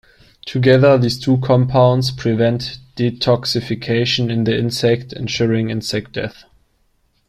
Together, these two compounds prevent detoxification in the insect, ensuring insect death.